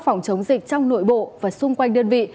phòng chống dịch trong nội bộ và xung quanh đơn vị